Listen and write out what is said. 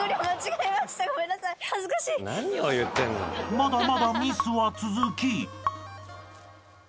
［まだまだミスは続き］